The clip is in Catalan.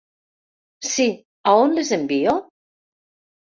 Si, a on les envio?